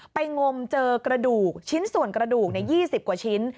งมเจอกระดูกชิ้นส่วนกระดูก๒๐กว่าชิ้น